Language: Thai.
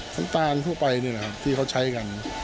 ก็เต้าเที่ยวพริกน้ำตาลที่เขาใช้กัน